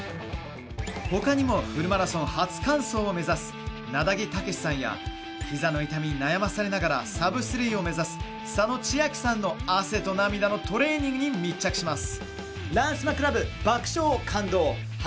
ほかにもフルマラソン初完走を目指す、なだぎ武さんや膝の痛みに悩まされながらサブ３を目指す佐野千晃さんの汗と涙のトレーニングに密着します。